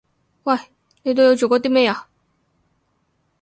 喂！你對我做過啲咩啊？